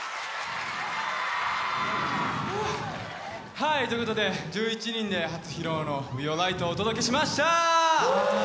はいということで１１人で初披露の「ＷｅＡｌｒｉｇｈｔ」をお届けしました。